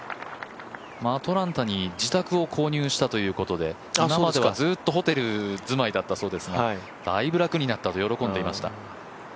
アトランタに自宅を購入したということで今までは、ずっとホテル住まいだったそうですがだいぶ楽になったと喜んでいました。